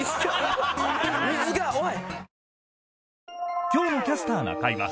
水がおい」